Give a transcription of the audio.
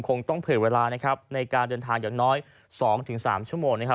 คงต้องเผื่อเวลานะครับในการเดินทางอย่างน้อย๒๓ชั่วโมงนะครับ